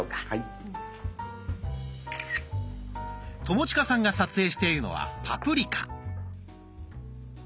友近さんが撮影しているのはパプリカ。